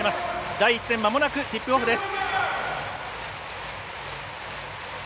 第１戦、まもなくティップオフです。